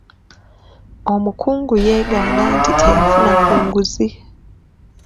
Omukungu yeegaana nti teyafuna ku nguzi.